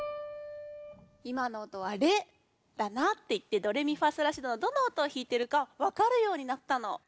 いまの音は「レ」だなっていってドレミファソラシドのどの音をひいてるかわかるようになったの。